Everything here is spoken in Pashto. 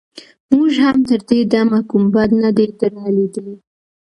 موږ هم تر دې دمه کوم بد نه دي درنه ليدلي.